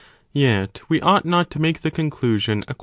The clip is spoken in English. Yet we ought not to make the conclusion a 7.